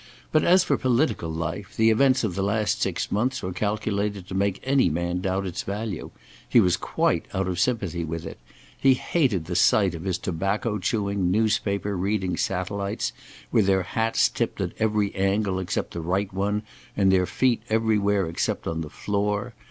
But as for political life, the events of the last six months were calculated to make any man doubt its value. He was quite out of sympathy with it. He hated the sight of his tobacco chewing, newspaper reading satellites, with their hats tipped at every angle except the right one, and their feet everywhere except on the floor.